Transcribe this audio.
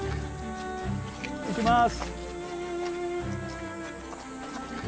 いきます。